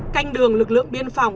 canh đường lực lượng biên phòng